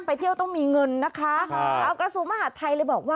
ไปเที่ยวต้องมีเงินนะคะเอากระทรวงมหาดไทยเลยบอกว่า